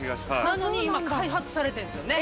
なのに今開発されてるんですよね。